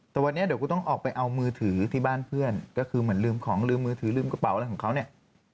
แต่วันนี้เดี๋ยวกูต้องออกไปเอามือถือที่บ้านเพื่อนก็คือเหมือนลืมของลืมมือถือลืมกระเป๋าอะไรของเขาเนี่ย